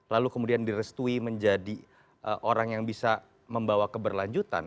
lalu kemudian direstui menjadi orang yang bisa membawa keberlanjutan